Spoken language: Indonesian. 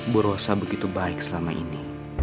burosa begitu baik selama ini